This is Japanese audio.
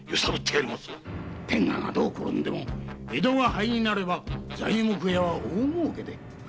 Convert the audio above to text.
天下がどう転んでも江戸が灰になれば材木屋は大もうけで。